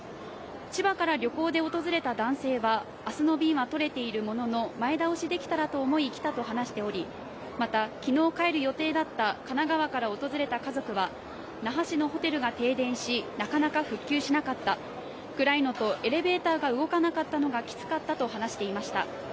千葉から旅行で訪れた男性は、明日の便は取れているものの前倒しできたらと思い来たと話しており、また、昨日帰る予定だった神奈川から訪れた家族は那覇市のホテルが停電し、なかなか復旧しなかった暗いのとエレベーターが動かなかったのがきつかったと話していました。